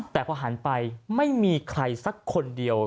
แต่พอหันไปไม่มีใครสักคนเดียว